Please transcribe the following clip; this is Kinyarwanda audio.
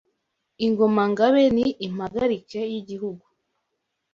Ingoma-Ngabe ni impagarike y’igihugu